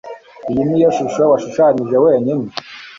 Iyi niyo shusho washushanyije wenyine